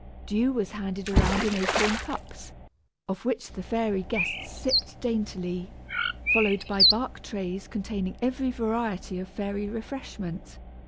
Dew was handed around in acorn cups, of which the fairy guests sipped daintily, followed by bark trays containing every variety of fairy refreshment.